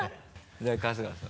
じゃあ春日さん。